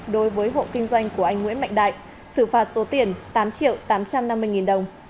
đối với hộ kinh doanh của anh nguyễn mạnh đại xử phạt số tiền tám triệu tám trăm năm mươi nghìn đồng